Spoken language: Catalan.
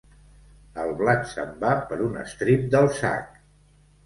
El blat se'n va per un estrip del sac.